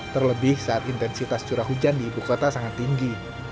terlebih saat intensitas curah hujan di ibu kota sangat tinggi